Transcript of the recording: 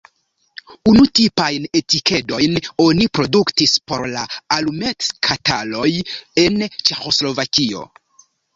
Unutipajn etikedojn oni produktis por la alumetskatoloj en Ĉeĥoslovakio.